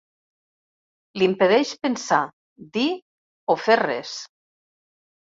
L'impedeix pensar, dir o fer res.